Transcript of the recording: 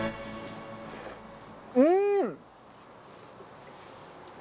うん！